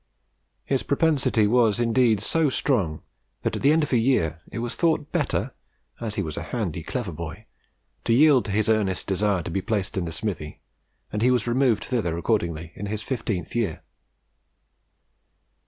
His propensity was indeed so strong that, at the end of a year, it was thought better, as he was a handy, clever boy, to yield to his earnest desire to be placed in the smithy, and he was removed thither accordingly in his fifteenth year.